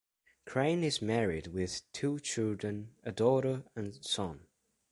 Crane is married with two children, a daughter and son.